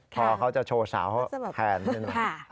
พอเขาจะโชว์สาวเขาแผ่นด้วย